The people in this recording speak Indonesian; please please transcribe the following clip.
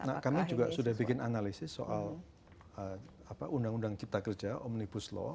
nah kami juga sudah bikin analisis soal undang undang cipta kerja omnibus law